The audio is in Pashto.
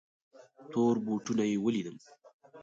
تور بوټونه یې ولیدل.